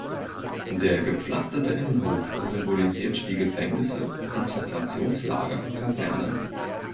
Der gepflasterte Innenhof symbolisiert die Gefängnisse, Konzentrationslager und Kasernen.